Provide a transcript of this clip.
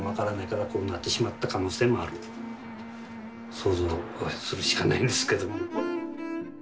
想像するしかないんですけども。